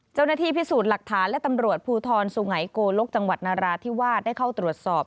เจ้าหน้าที่พิสูจน์หลักฐานและตำรวจภูทรสุงัยโกลกจังหวัดนาราธิวาสได้เข้าตรวจสอบ